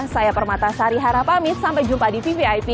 saya permata sarihara pamit sampai jumpa di tvi